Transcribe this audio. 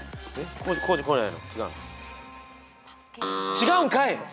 違うんかい。